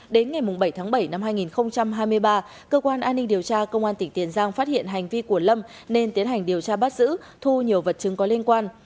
đến ngày bảy tháng bảy năm hai nghìn hai mươi ba cơ quan an ninh điều tra công an tỉnh tiền giang phát hiện hành vi của lâm nên tiến hành điều tra bắt giữ thu nhiều vật chứng có liên quan